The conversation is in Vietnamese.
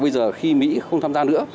bây giờ khi mỹ không tham gia nữa